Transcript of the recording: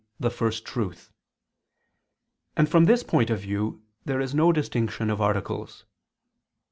the First Truth: and from this point of view there is no distinction of articles.